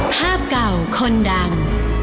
ภาพเก่าคนดัง